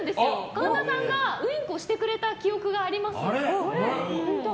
神田さんがウィンクをしてくれた記憶があります。